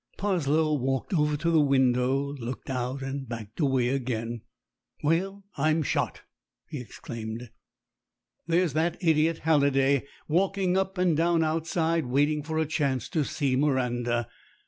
Parslow walked over to the window, looked out, and backed away again. "Well, I'm shot!" he ex claimed. "There's that idiot, Halliday, walking up and down outside, waiting for a chance to see Miranda.